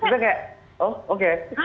udah kayak oh oke